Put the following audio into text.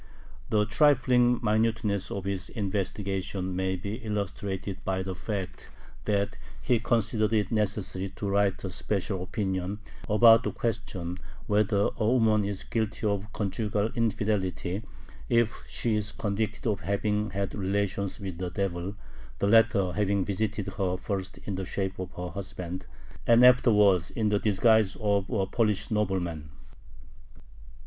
The trifling minuteness of his investigations may be illustrated by the fact that he considered it necessary to write a special "opinion" about the question whether a woman is guilty of conjugal infidelity, if she is convicted of having had relations with the devil, the latter having visited her first in the shape of her husband and afterwards in the disguise of a Polish nobleman.